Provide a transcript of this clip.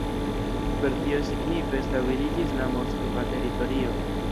Per tio signife stabiliĝis la moskva teritorio.